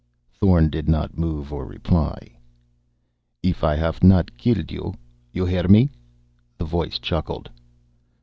Thorn did not move or reply. "If I haff not killed you, you hear me," the voice chuckled.